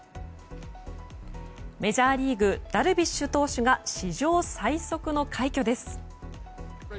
メジャーリーグダルビッシュ投手が史上最速の快挙です。